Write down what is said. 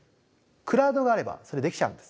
クラウドがあればそれできちゃうんです。